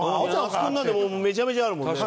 那須君なんてめちゃめちゃあるもんね。